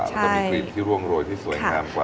มันก็มีกรีดที่ร่วงรวยที่สวยงามกว่านะครับ